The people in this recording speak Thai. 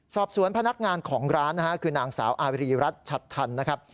สอบสวนพนักงานของร้านนะฮะคือนางสาวอารีรัฐชัดทันนะครับ